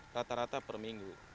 rata rata per minggu